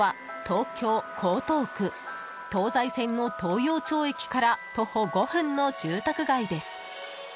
東西線の東陽町駅から徒歩５分の住宅街です。